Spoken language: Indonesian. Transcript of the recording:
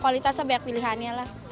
kualitasnya banyak pilihannya lah